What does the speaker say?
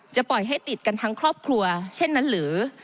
ปล่อยให้ติดกันทั้งครอบครัวเช่นนั้นหรือ